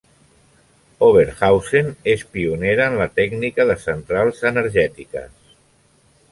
Oberhausen és pionera en la tècnica de centrals energètiques.